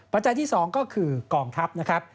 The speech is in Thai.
ปัจจัยที่๒ก็คือกองทัพนะครับ